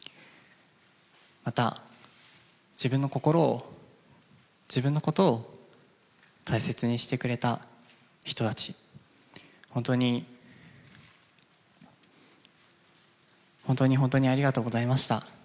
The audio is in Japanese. また、自分の心を、自分のことを大切にしてくれた人たち、本当に、本当に本当にありがとうございました。